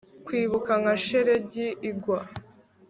Kwibuka nka shelegi igwa